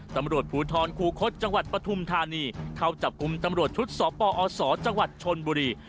ตำรวจภูทรคูคศจังหวัดปฐุมธานีเข้าจับกลุ่มตำรวจชุดสปอศจังหวัดชนบุรี